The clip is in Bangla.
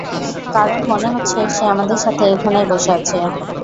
কারণ মনে হচ্ছে সে আমাদের সাথে এখানেই বসে আছে।